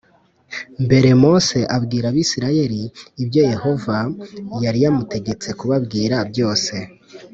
mbere Mose abwira Abisirayeli ibyo Yehova yari yamutegetse kubabwira byose